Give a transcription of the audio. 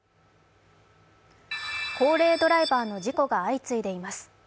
高齢ドライバーの事故が相次いでいます。